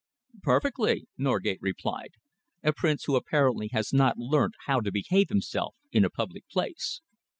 "Perfectly," Norgate replied. "A prince who apparently has not learnt how to behave himself in a public place."